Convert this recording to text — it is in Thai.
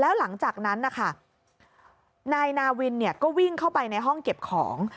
แล้วหลังจากนั้นนะคะนายนาวินก็วิ่งเข้าไปในห้องเก็บของ